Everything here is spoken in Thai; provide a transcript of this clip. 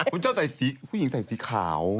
ผมชอบผู้หญิงใส่สีขาว